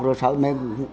rồi sợi mẹ